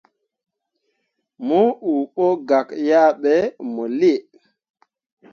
Mo uu ɓo gak yah ɓe mo lii.